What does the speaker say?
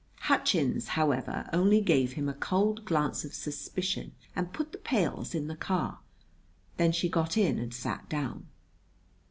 Hutchins, however, only gave him a cold glance of suspicion and put the pails in the car. Then she got in and sat down.